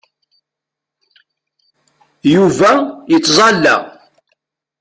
Yuba yettẓalla.